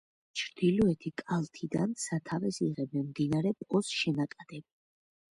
ჩრდილოეთი კალთიდან სათავეს იღებენ მდინარე პოს შენაკადები.